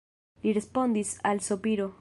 Li respondis al sopiro.